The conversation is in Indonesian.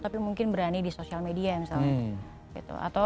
tapi mungkin berani di sosial media misalnya gitu